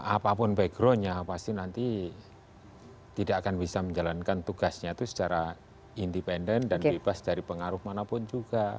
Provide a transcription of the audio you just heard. apapun backgroundnya pasti nanti tidak akan bisa menjalankan tugasnya itu secara independen dan bebas dari pengaruh manapun juga